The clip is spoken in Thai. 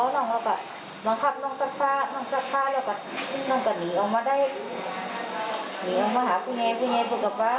น้องก็หนีออกมาได้หนีออกมาหาพี่เงยพี่เงยพี่กับป๊า